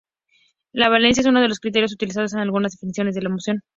La valencia es uno de los criterios utilizados en algunas definiciones de la emoción.